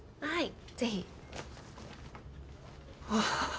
はい？